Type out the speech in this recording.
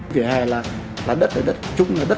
chưa là hết trách nhiệm